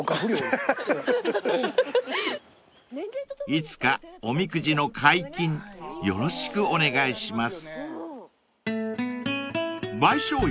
［いつかおみくじの解禁よろしくお願いします］